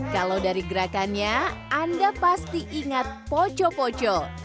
kalau dari gerakannya anda pasti ingat poco poco